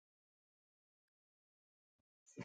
غول د حقیقت راوړونکی دی.